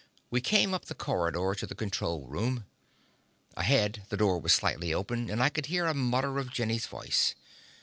We came up the corridor to the control room. Ahead the door was slightly open, and I could hear a mutter of Jenny's voice.